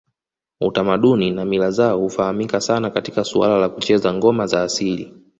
Utamaduni na mila zao hufahamika sana katika suala la kucheza ngoma za asili